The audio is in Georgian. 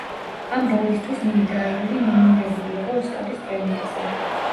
ამ როლისთვის მინი დრაივერი ნომინირებული იყო ოსკარის პრემიაზე.